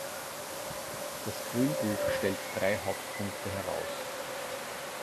Das Grünbuch stellt drei Hauptpunkte heraus.